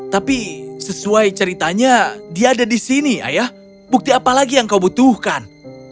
tapi sesuai ceritanya dia ada di sini ayah bukti apa lagi yang kau butuhkan